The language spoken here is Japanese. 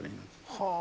はあ！